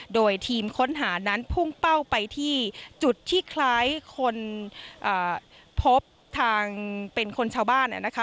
โดยทีมค้นหานั้นพุ่งเป้าไปที่จุดที่คล้ายคนพบทางเป็นคนชาวบ้านนะคะ